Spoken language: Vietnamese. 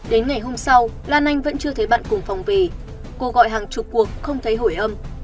đến ngày hôm sau lan anh vẫn chưa thấy bạn cùng phòng về cô gọi hàng chục cuộc không thấy hội âm